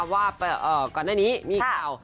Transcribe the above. ว่าก่อนหน้านี้มีข่าว